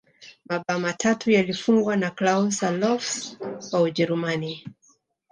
mabao matatu yalifungwa na klaus allofs wa ujerumani